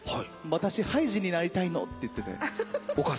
「私ハイジになりたいの」って言ってて。